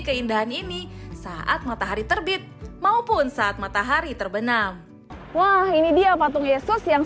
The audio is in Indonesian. keindahan ini saat matahari terbit maupun saat matahari terbenam wah ini dia patung yesus yang